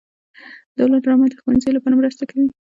ډرامه د ښوونځیو لپاره مرسته کوي